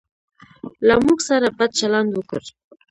له موږ سره بد چلند وکړ.